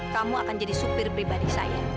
kamu akan jadi supir pribadi saya